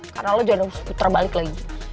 karena lo jangan puter balik lagi